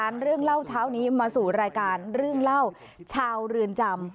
เรื่องเล่าเช้านี้มาสู่รายการเรื่องเล่าชาวเรือนจำ